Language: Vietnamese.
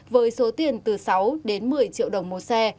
với số tiền từ sáu đến một mươi triệu đồng một xe